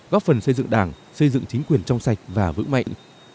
góp phần xây dựng đảng xây dựng chính quyền trong sạch và vững mạnh